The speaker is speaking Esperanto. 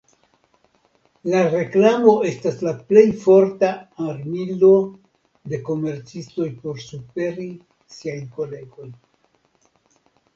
La reklamo estas la plej forta armilo de komercistoj por superi siajn kolegojn.